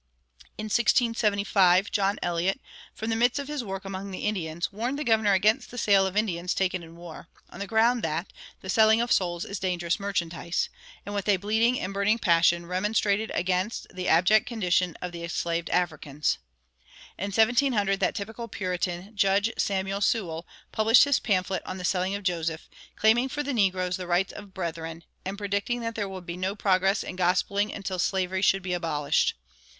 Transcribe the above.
In 1675 John Eliot, from the midst of his work among the Indians, warned the governor against the sale of Indians taken in war, on the ground that "the selling of souls is dangerous merchandise," and "with a bleeding and burning passion" remonstrated against "the abject condition of the enslaved Africans." In 1700 that typical Puritan, Judge Samuel Sewall, published his pamphlet on "The Selling of Joseph," claiming for the negroes the rights of brethren, and predicting that there would be "no progress in gospeling" until slavery should be abolished.